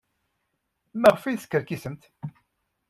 Maɣef ay teskerkisemt?